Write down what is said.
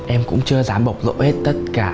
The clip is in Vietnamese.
em cũng chưa dám bộc rộn hết tất cả